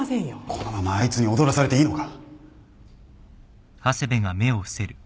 このままあいつに踊らされていいのか？